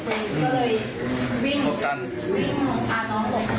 พอเขายิงเสร็จเขาโวยวายเข้าระบายอะไรเสร็จ